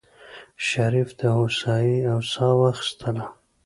شريف د هوسايۍ سا واخيستله.